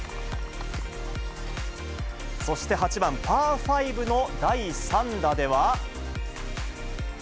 そして８番パー５の第３打では。